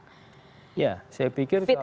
fit and proper test yang dimaksud